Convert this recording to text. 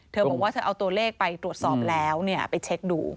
เธอบอกว่าเธอเอาตัวเลขไปตรวจสอบแล้วไปเช็คดู